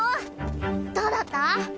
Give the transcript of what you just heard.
どうだった？